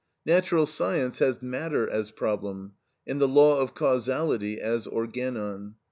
Natural science has matter as problem, and the law of causality as organon.